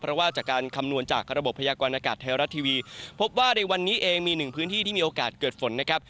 เพราะว่าจากการคำนวณจากระบบพยากรณากาศไทยรัฐทีวีพบว่าในวันนี้เองมีหนึ่งพื้นที่ที่มีโอกาสเกิดฝนนะครับ